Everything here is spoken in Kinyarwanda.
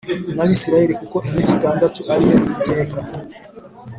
N abisirayeli kuko iminsi itandatu ari yo uwiteka